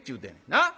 なっ？